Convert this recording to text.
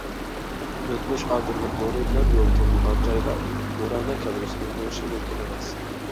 ئۆتمۈش ئادىللىق نۇرى بىلەن يورۇتۇلمىغان جايدا نۇرانە كەلگۈسىنىڭ بولۇشى مۇمكىن ئەمەس.